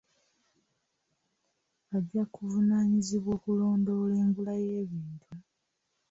Ajja kuvunaanyizibwa okulondoola engula y'ebintu.